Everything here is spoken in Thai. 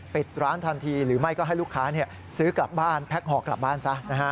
ปิดร้านทันทีหรือไม่ก็ให้ลูกค้าซื้อกลับบ้านแพ็คห่อกลับบ้านซะนะฮะ